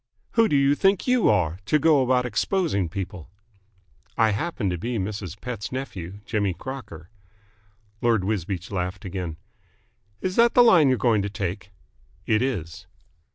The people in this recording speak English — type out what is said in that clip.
"Who do you think you are, to go about exposing people?" "I happen to be Mrs. Pett's nephew, Jimmy Crocker." Lord Wisbeach laughed again. "Is that the line you are going to take?" "It is."